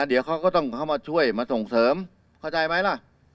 เดี๋ยวเขาก็ต้องเข้ามาช่วยมาส่งเสริมเข้าใจไหมล่ะ